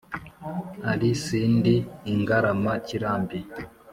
ari sindi ingarama-kirambi